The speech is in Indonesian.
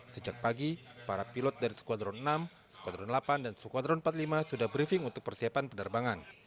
sejak pagi para pilot dari squadron enam squadron delapan dan squadron empat puluh lima sudah briefing untuk persiapan penerbangan